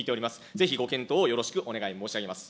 ぜひご検討をよろしくお願い申し上げます。